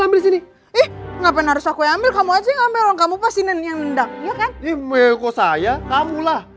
ambil sini ngapain harus aku ambil kamu aja ngambil kamu pasti nendang ya kan ini meko saya kamu lah